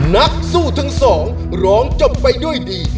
นักสู้ทั้งสองร้องจบไปด้วยดี